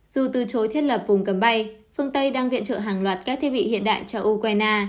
dù từ chối thiết lập vùng cấm bay phương tây đang viện trợ hàng loạt các thiết bị hiện đại cho ukraine